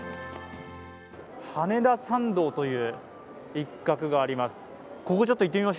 羽田参道という一画があります。